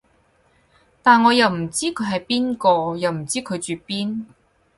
但我又唔知佢係邊個，又唔知佢住邊